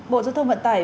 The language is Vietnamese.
bộ giao thông vận tải